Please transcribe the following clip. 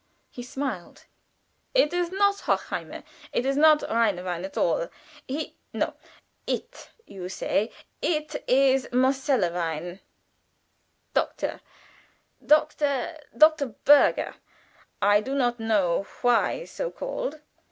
He smiled. "It is not Hochheimer not Rheinwein at all he no, it, you say it is Moselle wine 'Doctor.'" "Doctor?" "Doctorberger; I do not know why so called.